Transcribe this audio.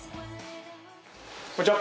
こんにちは。